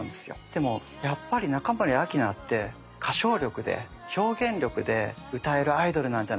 でもやっぱり中森明菜って歌唱力で表現力で歌えるアイドルなんじゃないか。